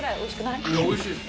いやおいしいです。